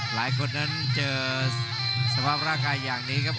หลายคนนั้นเจอสภาพร่างกายอย่างนี้ครับ